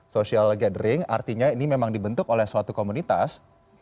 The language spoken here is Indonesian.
social gathering artinya ini memang dibentuk oleh suatu komunitas